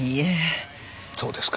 そうですか。